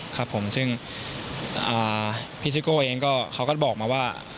ครับผมซึ่งพี่ซูตก์เก้าเองเขาก็บอกมาว่า